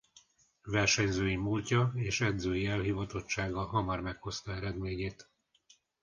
Versenyzői múltja és edzői elhivatottsága hamar meghozta eredményét.